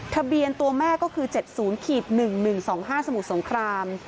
ทะเบียนตัวแม่ก็คือเจ็ดศูนย์ขีดหนึ่งหนึ่งสองห้าสมุทรสงคราม